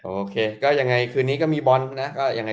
โอเคก็ยังไงคืนนี้มีบอลนะ